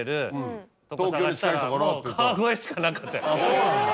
そうなんだ。